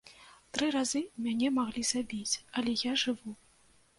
Тры разы мяне маглі забіць, але я жыву.